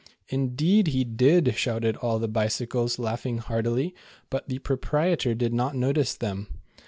"Indeed he did," shouted all the bicycles, laughing heartily, but the proprietor did not notice them.